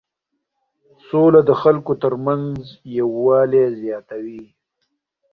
سوله د خلکو ترمنځ یووالی زیاتوي.